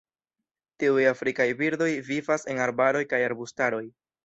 Tiuj afrikaj birdoj vivas en arbaroj kaj arbustaroj.